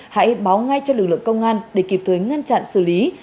hãy báo ngay cho lực lượng công an để kịp thời ngăn chặn xử lý